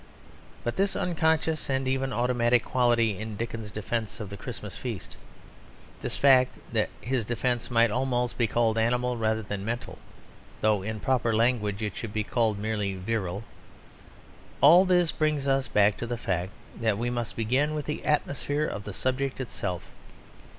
But this unconscious and even automatic quality in Dickens's defence of the Christmas feast, this fact that his defence might almost be called animal rather than mental, though in proper language it should be called merely virile; all this brings us back to the fact that we must begin with the atmosphere of the subject itself.